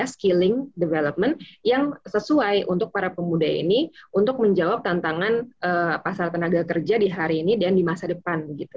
skilling development yang sesuai untuk para pemuda ini untuk menjawab tantangan pasar tenaga kerja di hari ini dan di masa depan